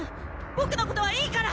ボクのことはいいから！